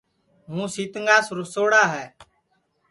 ہُوں سِیتکِیاس رُسوڑا ہے